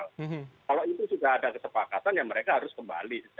kalau itu sudah ada kesepakatan ya mereka harus kembali